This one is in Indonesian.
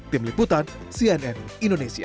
tim liputan cnn indonesia